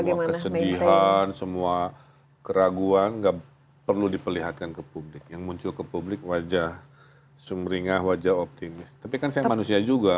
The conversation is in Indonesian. jadi semua kesedihan semua keraguan gak perlu diperlihatkan ke publik yang muncul ke publik wajah sumringah wajah optimis tapi kan saya manusia juga